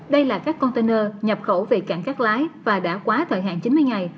đây là các container nhập khẩu về cảng cát lái và đã qua thời hạn chín mươi ngày